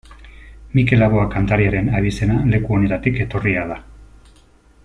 Mikel Laboa kantariaren abizena leku honetatik etorria da.